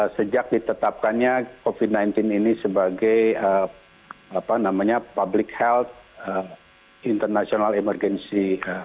sejak ditetapkannya covid sembilan belas ini sebagai public health international emergency